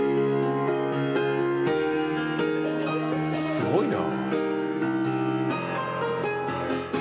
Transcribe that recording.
すごいな。